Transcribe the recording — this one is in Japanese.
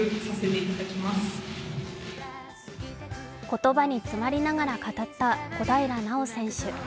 言葉に詰まりながら語った小平奈緒選手。